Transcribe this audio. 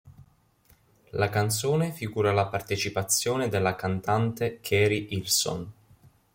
La canzone figura la partecipazione della cantante Keri Hilson.